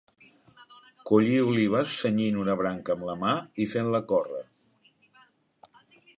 Collir olives cenyint una branca amb la mà i fent-la córrer.